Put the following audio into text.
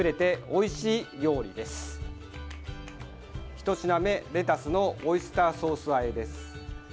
１品目、レタスのオイスターソースあえです。